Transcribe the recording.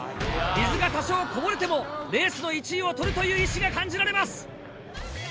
水が多少こぼれてもレースの１位を取るという意志が感じられます！